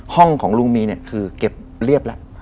ห้องของลุงมีเนี่ยคือเก็บเรียบแล้ว